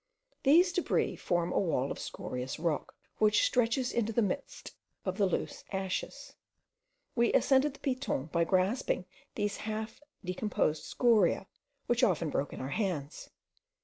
These debris form a wall of scorious rock, which stretches into the midst of the loose ashes. We ascended the Piton by grasping these half decomposed scoriae, which often broke in our hands.